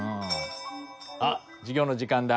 あっ授業の時間だ。